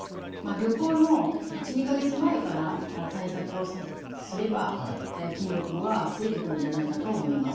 旅行の１２か月前から対策をすれば筋力は増えてくるんじゃないかと思います。